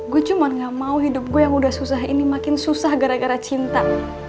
gue cuma gak mau hidup gue yang udah susah ini makin susah gara gara cinta